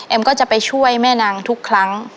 ก็จะไปช่วยแม่นางทุกครั้ง